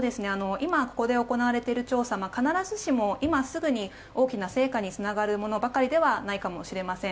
今ここで行われている調査は必ずしも今すぐに、大きな成果につながるものばかりではないかもしれません。